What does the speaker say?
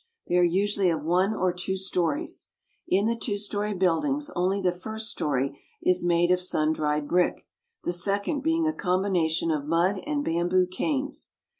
They are usually of one or two stories. In the two story buildings only the first story is made of sun dried brick, the second being a combination of mud and bamboo canes.